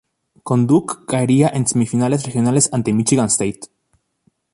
Con Duke caería en semifinales regionales ante Michigan State.